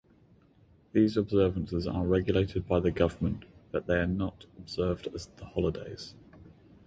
These observances are regulated by the government, but are not observed as holidays.